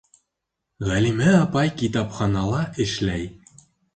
Ғәлимә апай китапханала эшләй.